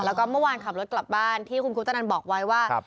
แล้วก็เมื่อวานขับรถกลับบ้านที่คุณคุตนันบอกไว้ว่า